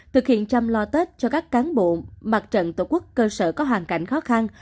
thực hiện chăm lo tết cho các cán bộ mặt trận tổ quốc cơ sở có hoàn cảnh khó khăn